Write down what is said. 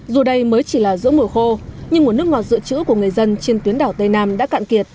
dù đây mới chỉ là giữa mùa khô nhưng một nước ngọt dựa chữ của người dân trên tuyến đảo tây nam đã cạn kiệt